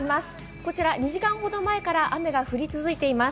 こちら２時間ほど前から雨が降り続いています。